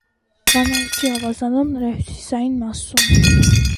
Վանա լճի ավազանում, նրա հյուսիսային մասում։